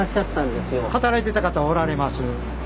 働いてた方おられます。